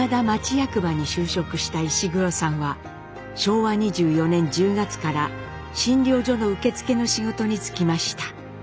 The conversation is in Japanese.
役場に就職した石黒さんは昭和２４年１０月から診療所の受付の仕事に就きました。